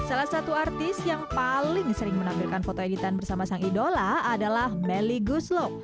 salah satu artis yang paling sering menampilkan foto editan bersama sang idola adalah melly guslo